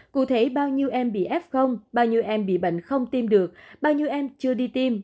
cụ thể bao nhiêu em bị f bao nhiêu em bị bệnh không tiêm được bao nhiêu em chưa đi tiêm